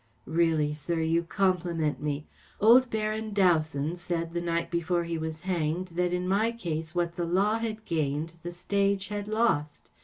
‚ÄĚ Really, sir, you compliment me. Old Baron Dowson said the night before he was hanged that in my case what the law had gained the stage had lost.